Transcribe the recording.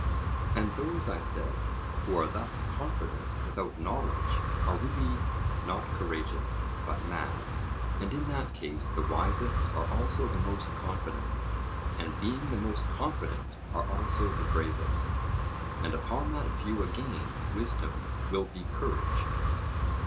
And those, I said, who are thus confident without knowledge are really not courageous, but mad; and in that case the wisest are also the most confident, and being the most confident are also the bravest, and upon that view again wisdom will be courage.